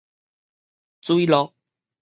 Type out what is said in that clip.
水落